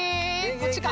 ◆こっちか？